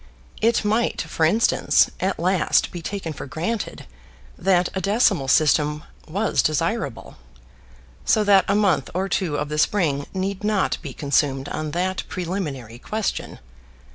It might, for instance, at last be taken for granted that a decimal system was desirable, so that a month or two of the spring need not be consumed on that preliminary question.